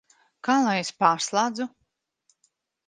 Kā lai es pārslēdzu?